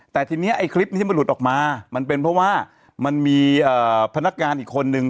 แต่ทีนี้ไอ้คลิปที่มันหลุดออกมามันเป็นเพราะว่ามันมีพนักงานอีกคนนึง